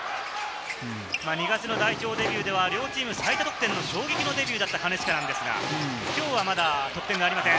２月の代表デビューでは、両チーム最多得点の衝撃デビューだった金近ですが、きょうはまだ得点がありません。